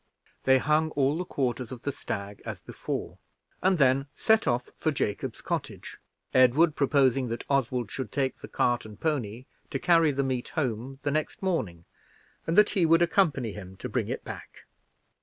They hung all the quarters of the stag as before, and then set off for Jacob's cottage, Edward proposing that Oswald should take the cart and pony to carry the meat home next morning, and that he would accompany him to bring it back.